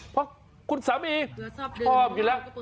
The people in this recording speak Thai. เพราะคุณสามีชอบอยู่แล้ว